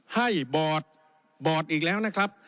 ให้บอร์ดอีกแล้วนะครับ